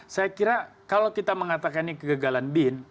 saya kira kalau kita mengatakan ini kegagalan bin